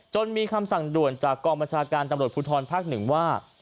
จนมีคำสั่งด่วนจากกรมประชาการตำรวจพูทรภาค๑ว่า